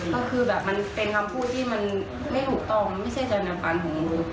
ก็คือแบบมันเป็นคำพูดที่มันไม่ถูกต้องมันไม่ใช่ธนาคารของหนู